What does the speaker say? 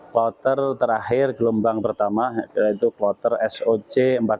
keluatan terakhir gelombang pertama yaitu keluatan soc empat puluh dua